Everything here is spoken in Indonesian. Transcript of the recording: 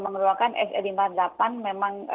mengeluarkan s e lima puluh delapan memang